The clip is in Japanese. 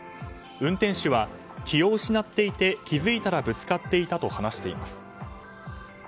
運転手は気を失っていて気づいたらぶつかっていたと話しています。